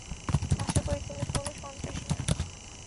আশা করি তুমি কোনো সন্ত্রাসী না?